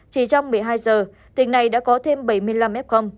chỉ trong một mươi hai giờ tỉnh này đã có thêm bảy mươi năm f